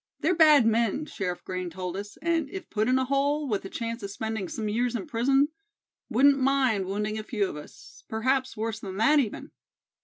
They're bad men, Sheriff Green told us, and if put in a hole, with a chance of spending some years in prison, wouldn't mind wounding a few of us—perhaps worse than that, even."